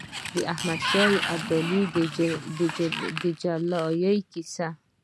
د احمد شاه ابدالي د جلال کیسې.